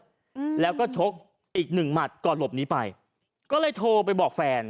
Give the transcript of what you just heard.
อืมแล้วก็ชกอีกหนึ่งหมัดก่อนหลบหนีไปก็เลยโทรไปบอกแฟน